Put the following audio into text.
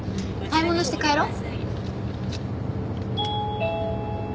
買い物して帰ろう。